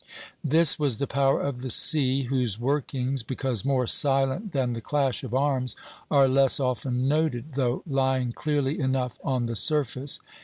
This was the power of the sea, whose workings, because more silent than the clash of arms, are less often noted, though lying clearly enough on the surface.